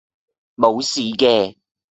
無事嘅